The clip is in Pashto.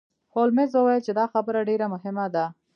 هولمز وویل چې دا خبره ډیره مهمه ده.